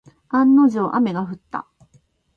案の定、雨が降った。